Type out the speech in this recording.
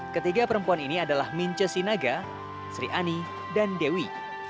ketiga perempuan ini adalah mince sinaga sri ani dan dewi